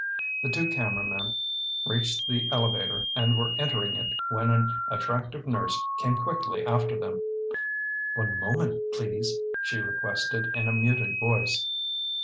The two cameramen reached the elevator and were entering it when an attractive nurse came quickly after them. "One moment please," she requested in a muted voice.